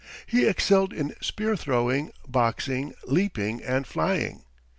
He excelled in spear throwing, boxing, leaping and flying.